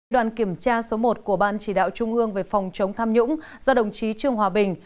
đoàn kiểm tra số một của ban chỉ đạo trung ương về phòng chống tham nhũng do đồng chí trương hòa bình